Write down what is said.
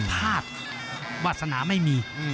พลาดวาสนาไม่มี